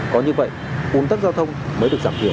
có như vậy uốn tất giao thông mới được giảm hiểu